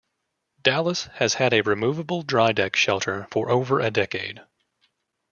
"Dallas" has had a removable Dry Deck Shelter for over a decade.